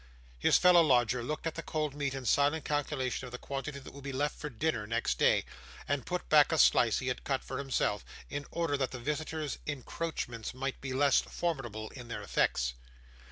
His fellow lodger looked at the cold meat in silent calculation of the quantity that would be left for dinner next day, and put back a slice he had cut for himself, in order that the visitor's encroachments might be less formidable in their effects.